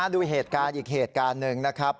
ดูเหตุการณ์อีกเหตุการณ์หนึ่งนะครับ